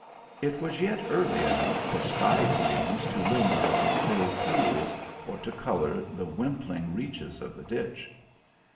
It was yet early enough for sky gleams to linger on still pools, or to color the wimpling reaches of the ditch.